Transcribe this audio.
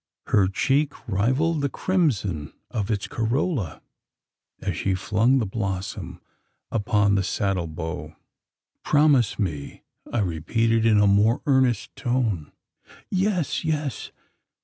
Her cheek rivalled the crimson of its corolla, as she flung the blossom upon the saddle bow. "Promise me!" I repeated in a more earnest tone. "Yes yes!"